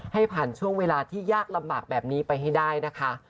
ให้ผ่านช่วงเวลาที่ยากลำบากแบบนี้ไปให้ได้นะคะ